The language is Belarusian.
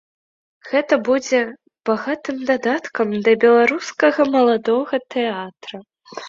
Гэта будзе багатым дадаткам да беларускага маладога тэатра.